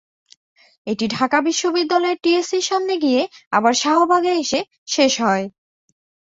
এটি ঢাকা বিশ্ববিদ্যালয়ের টিএসসির সামনে গিয়ে আবার শাহবাগে এসে শেষ হয়।